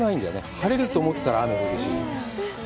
晴れると思ったら雨が降るし。